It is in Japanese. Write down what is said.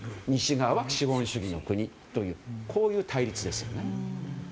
西側は資本主義の国というこういう対立ですよね。